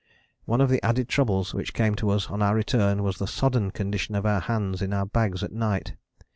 One of the added troubles which came to us on our return was the sodden condition of our hands in our bags at night.